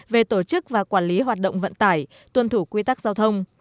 về tổ chức và quản lý hoạt động vận tải tuân thủ quy tắc giao thông